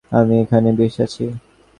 আমি এখানে বেশ আছি।